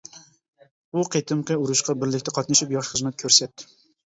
بۇ قېتىمقى ئۇرۇشقا بىرلىكتە قاتنىشىپ ياخشى خىزمەت كۆرسەت.